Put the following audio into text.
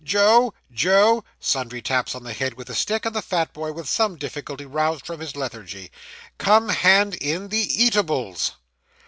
Joe! Joe!' (Sundry taps on the head with a stick, and the fat boy, with some difficulty, roused from his lethargy.) 'Come, hand in the eatables.